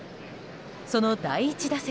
その第１打席。